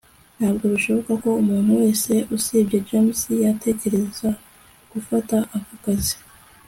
ntabwo bishoboka ko umuntu wese usibye james yatekereza gufata ako kazi